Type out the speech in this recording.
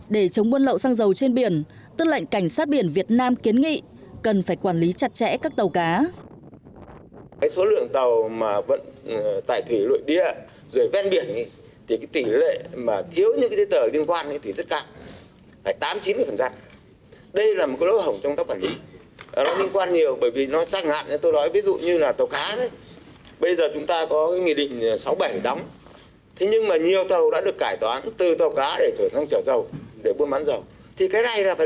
để chống buôn lậu xăng dầu trên biển tư lệnh cảnh sát biển việt nam kiến nghị cần phải quản lý chặt chẽ các tàu cá